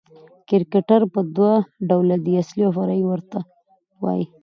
کرکټر په دوه ډوله دئ، اصلي اوفرعي ورته وايي.